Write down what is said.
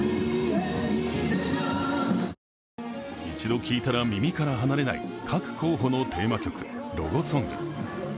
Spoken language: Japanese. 一度聴いたら耳から離れない各候補のテーマ曲、ロゴソング。